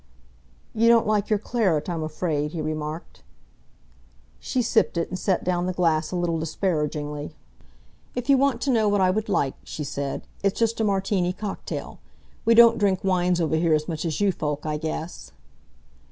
"You don't like your claret, I'm afraid," he remarked. She sipped it and set down the glass a little disparagingly. "If you want to know what I would like," she said, "it's just a Martini cocktail. We don't drink wines over here as much as you folk, I guess."